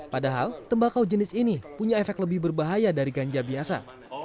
padahal tembakau jenis ini punya efek lebih berbahaya dari ganja biasa